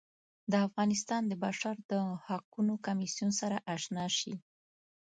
د افغانستان د بشر د حقونو کمیسیون سره اشنا شي.